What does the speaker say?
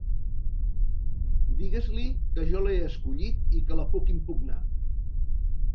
Digues-li que jo l'he escollit i que la puc impugnar!